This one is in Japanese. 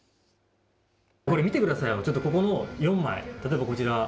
これ、見てください、ここの４枚、例えばこちら。